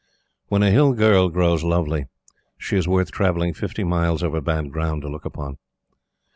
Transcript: When a Hill girl grows lovely, she is worth traveling fifty miles over bad ground to look upon.